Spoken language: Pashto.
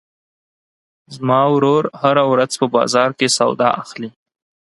زما ورور هره ورځ په بازار کې سودا اخلي.